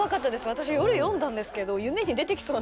私夜読んだんですけど。